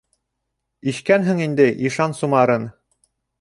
- Ишкәнһең инде ишан сумарын!